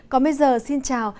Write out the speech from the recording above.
còn bây giờ xin chào